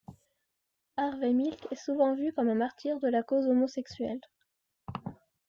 Harvey Milk est souvent vu comme un martyr de la cause homosexuelle.